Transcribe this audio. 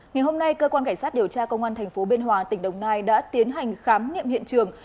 ngày hôm nay cơ quan cảnh sát điều tra công an tp biên hòa tỉnh đồng nai đã tiến hành khám nghiệm hiện trường